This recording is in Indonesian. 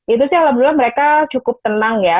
itu sih alhamdulillah mereka cukup tenang ya